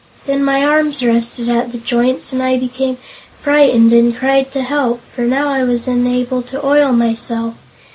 Then my arms rusted at the joints and I became frightened and cried for help, for now I was unable to oil myself.